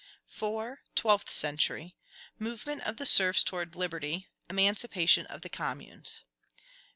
4. Twelfth century. Movement of the serfs towards liberty; emancipation of the communes.